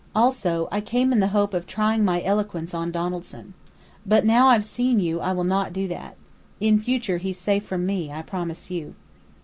Also I came in the hope of trying my eloquence on Donaldson. But now I've seen you, I will not do that. In future he's safe from me, I promise you."